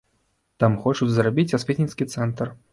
Там хочуць зрабіць асветніцкі цэнтр.